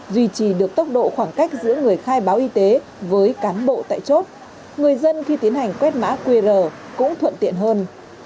duy trì được tốc độ khoảng cách giữa người khai báo y tế với cán bộ tại chốt người dân khi tiến hành quét mã qr cũng thuận tiện hơn